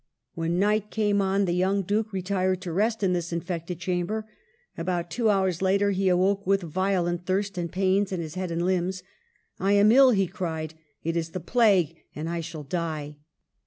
When night came on, the young Duke re tired to rest in this infected chamber. About two hours later, he awoke with violent thirst and pains in the head and limbs. I am ill," he cried. " It is the plague, and I shall die."